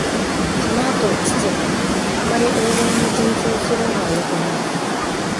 その後、父は「あまり欧米に心酔するのはよくない」